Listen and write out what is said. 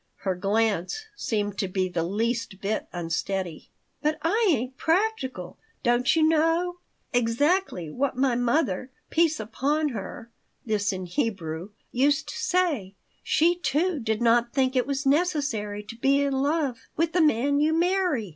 (Her glance seemed to be the least bit unsteady.) "But I ain't 'practical,' don't you know. Exactly what my mother peace upon her [this in Hebrew] used to say. She, too, did not think it was necessary to be in love with the man you marry.